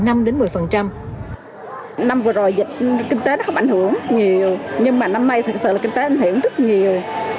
năm vừa rồi dịch kinh tế nó không ảnh hưởng nhiều nhưng mà năm nay thực sự là kinh tế ảnh hưởng rất nhiều